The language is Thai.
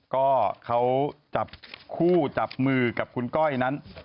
ก็เขาจับคู่จับมือกับคุณก้อยนั้น